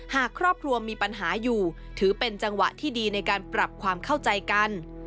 หากครอบครัวมีปัญหาอยู่ถือเป็นจังหวะที่ดีในการปรับความเข้าใจกัน